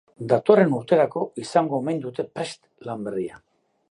Datorren urterako izango omen dute prest lan berria.